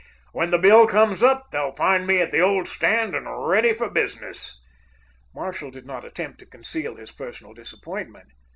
When that bill comes up, they'll find me at the old stand and ready for business!" Marshall did not attempt to conceal his personal disappointment.